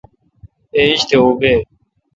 ایج تھ اوں بیگ۔